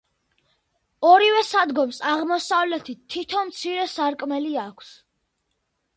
ორივე სადგომს აღმოსავლეთით თითო მცირე სარკმელი აქვს.